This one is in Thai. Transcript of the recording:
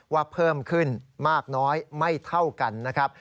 ว่าเพิ่มขึ้นมากน้อยไม่เท่ากันนะครับ